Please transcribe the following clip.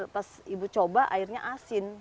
pas ibu coba airnya asin